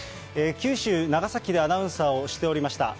九州・長崎でアナウンサーをしておりました。